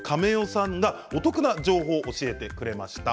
さんがお得な情報を教えてくれました。